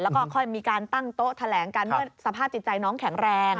แล้วก็ค่อยมีการตั้งโต๊ะแถลงกันเมื่อสภาพจิตใจน้องแข็งแรง